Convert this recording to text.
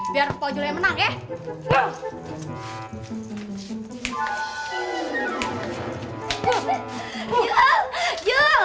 biar bumpa juli yang menang ya